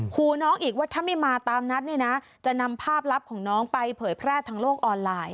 ครูน้องอีกว่าถ้าไม่มาตามนัดเนี่ยนะจะนำภาพลับของน้องไปเผยแพร่ทางโลกออนไลน์